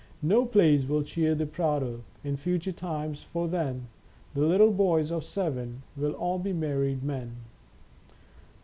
No plays will cheer the Prado In future times, for then The little boys of seven Will all be married men."